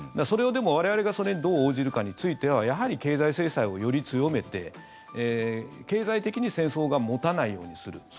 それを、でも我々がそれにどう応じるかについてはやはり経済制裁をより強めて経済的に戦争が持たないようにする。